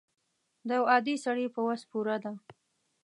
د یو عادي سړي په وس پوره ده.